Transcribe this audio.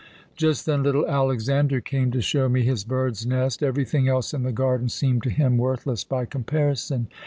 Just then little Alexander came to show me his bird's nest. Everything else in the garden seemed to him worthless by comparison.